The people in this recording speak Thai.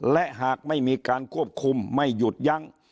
และหากไม่มีการควบคุมไม่หยุดยั้ง